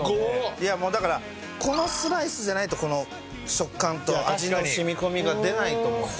いやもうだからこのスライスじゃないとこの食感と味の染み込みが出ないと思うんですよ。